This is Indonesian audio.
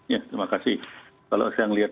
ya terima kasih kalau saya melihat